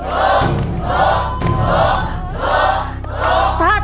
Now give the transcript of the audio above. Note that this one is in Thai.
ครับครับครับครับ